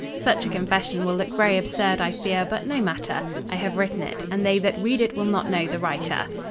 Such a confession will look very absurd, I fear: but no matter: I have written it: and they that read it will not know the writer.